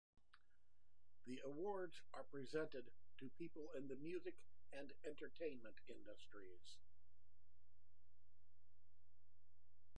The awards are presented to people in the music and entertainment industries.